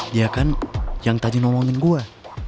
dia kan yang tadi ngomongin gue